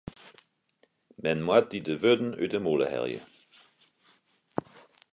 Men moat dy de wurden út 'e mûle helje.